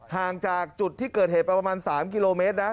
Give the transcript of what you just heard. ห่างจากจุดที่เกิดเหตุประมาณ๓กิโลเมตรนะ